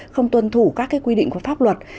không tuân thủ các quy định của pháp luật